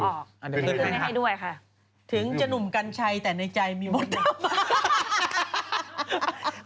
มันจะหนุ่มกันชัยแต่ในใจมีบทเต้นบ้าง